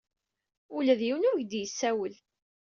Ula d yiwen ur ak-d-yessawel!